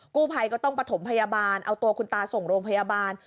กู้ภัยก็ต้องประถมพยาบาลเอาตัวคุณตาส่งโรงพยาบาล